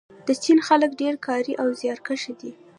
د چین خلک ډیر کاري او زیارکښ دي.